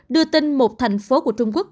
đưa tin một thành phố của trung quốc